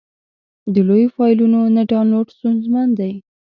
د لویو فایلونو نه ډاونلوډ ستونزمن دی.